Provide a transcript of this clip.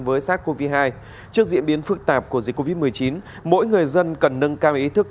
với sars cov hai trước diễn biến phức tạp của dịch covid một mươi chín mỗi người dân cần nâng cao ý thức